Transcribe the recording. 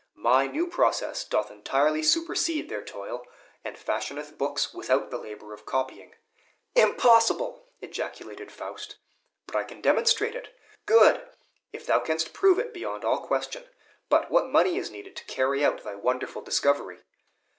My new process doth entirely supercede their toil, and fashioneth books without the labor of copying." "Impossible!" ejaculated Faust. "But I can demonstrate it!" "Good, if thou canst prove it beyond all question. But what money is needed to carry out thy wonderful discovery?"